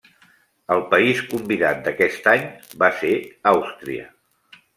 El país convidat d’aquest any va ser Àustria.